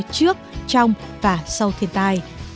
trước trong và sau thiên tai